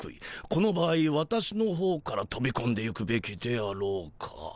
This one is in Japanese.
この場合私のほうからとびこんでいくべきであろうか？